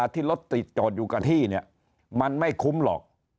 ที่รถติดจอดอยู่กับที่เนี่ยมันไม่คุ้มหรอก